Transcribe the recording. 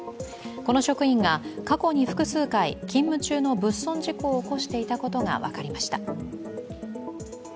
この職員が過去に複数回、勤務中の物損事故を起こしていたことが分かりました。